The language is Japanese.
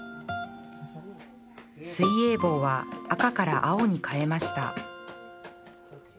水泳帽は赤から青に変えました